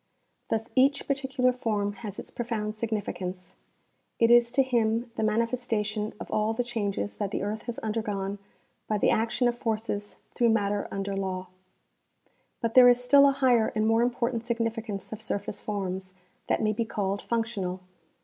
Thus each particular form has its |)rofound signifi cance ; it is to him the manifestation of all the changes that the earth has undergone by the action of forces through matter under law. But there is still a higher and more important significance of surface forms, that may be called functional.